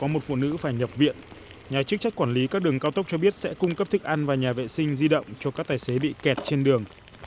học viện nhà chức trách quản lý các đường cao tốc cho biết sẽ cung cấp thức ăn và nhà vệ sinh di động cho các tài xế bị kẹt trên đường